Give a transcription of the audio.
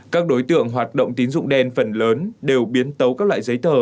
các đối tượng hoạt động tín dụng đen phần lớn đều biến tấu các loại giấy tờ